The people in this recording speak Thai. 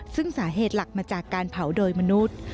ซึ่งสาเหตุหลักมาจากการเผาโดยมนุษย์